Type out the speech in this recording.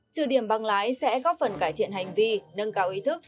trừ điểm bằng lái sẽ góp phần cải thiện hành vi nâng cao ý thức